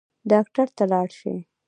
ډاکټر ته لاړ شئ